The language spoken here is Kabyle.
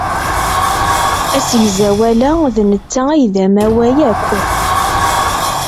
Asegzawal-a d netta ay d amaway akk.